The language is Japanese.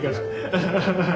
アハハハ。